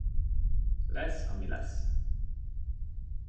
Lesz, ami lesz.